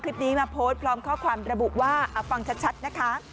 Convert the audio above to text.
คลิปนี้มาโพสต์พร้อมข้อความระบุว่าเอาฟังชัดนะคะ